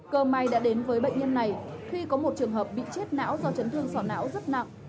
cơ may đã đến với bệnh nhân này khi có một trường hợp bị chết não do chấn thương sỏ não rất nặng